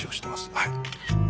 はい。